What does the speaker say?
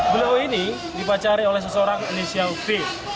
beliau ini dipacari oleh seseorang inisial v